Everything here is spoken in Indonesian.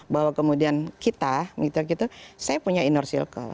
bahwa kemudian kita saya punya inner circle